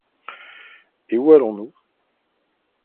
Et où allons-nous ?